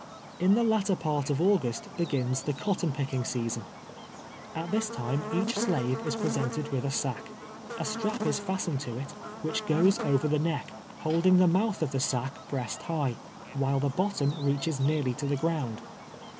In the latter j^art of August begins the cotton pick ing season. At this time each slave is presented with a sack. A strap is fastened to it, which goes over the neck, holding the mouth of the sack breast high, while the bottom reaches nearly to the ground.